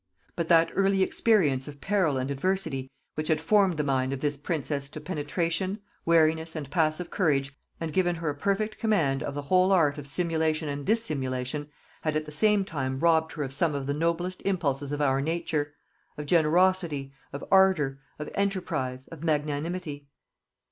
But that early experience of peril and adversity which had formed the mind of this princess to penetration, wariness, and passive courage, and given her a perfect command of the whole art of simulation and dissimulation, had at the same time robbed her of some of the noblest impulses of our nature; of generosity, of ardor, of enterprise, of magnanimity.